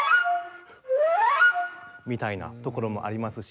みたいなところもありますし。